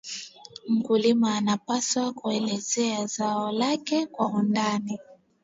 Mkulima anapaswa kuelezea zao lake kwa undani